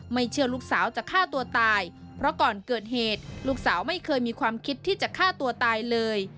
เชื่อลูกสาวจะฆ่าตัวตายเพราะก่อนเกิดเหตุลูกสาวไม่เคยมีความคิดที่จะฆ่าตัวตายเลย